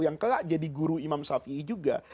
yang kelak jadi guru imam shafi'i juga